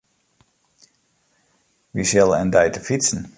Wy sille in dei te fytsen.